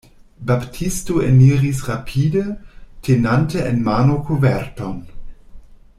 Baptisto eniris rapide, tenante en mano koverton.